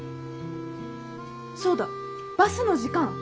そうだバスの時間！